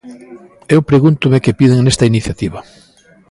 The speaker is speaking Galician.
Eu pregúntome que piden nesta iniciativa.